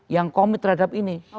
yang komit terhadap ini